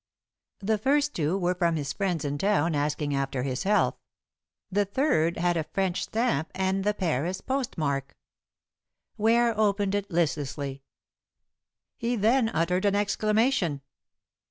The first two were from friends in town asking after his health; the third had a French stamp and the Paris postmark. Ware opened it listlessly. He then uttered an exclamation.